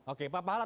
oke pak paala